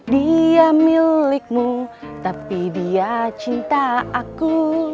dia milikmu tapi dia cinta aku